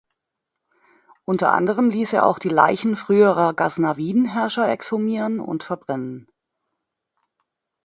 Unter anderem ließ er auch die Leichen früherer Ghaznawiden-Herrscher exhumieren und verbrennen.